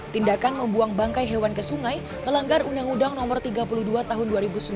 tindakan membuang bangkai hewan ke sungai melanggar undang undang no tiga puluh dua tahun dua ribu sembilan